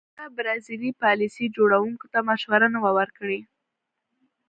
چا برازیلي پالیسي جوړوونکو ته مشوره نه وه ورکړې.